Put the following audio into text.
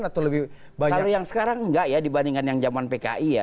kalau yang sekarang enggak ya dibandingkan yang zaman pki ya